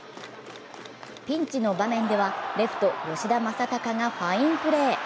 ピンチの場面ではレフト吉田正尚がファインプレー。